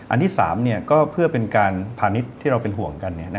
อันที่๓ก็เพื่อเป็นการพาณิชย์ที่เราเป็นห่วงกัน